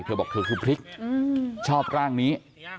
เธอบอกเธอคือพริกชอบร่างนี้